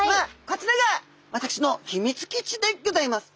こちらが私のヒミツ基地でギョざいます。